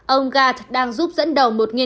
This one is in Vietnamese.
ông garth đang giúp dẫn đầu một nghiệp